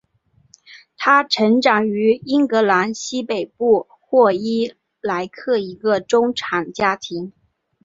她成长于英格兰西北部霍伊莱克一个中产家庭。